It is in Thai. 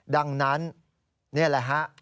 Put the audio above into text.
ดังนั้นนี่แหละฮะ